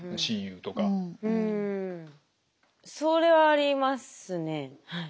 うんそれはありますねはい。